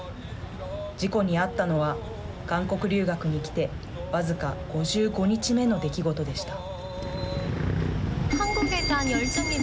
事故に遭ったのは韓国留学に来て僅か５５日目の出来事でした。